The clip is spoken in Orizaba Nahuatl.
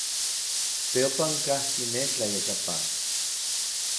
Teopan kajki nej tlayekapan.